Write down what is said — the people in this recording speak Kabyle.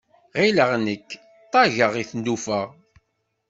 Ɣileɣ nek ṭaggeɣ i tlufa.